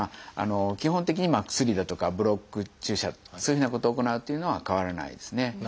基本的に薬だとかブロック注射だとかそういうふうなことを行うというのは変わらないですね。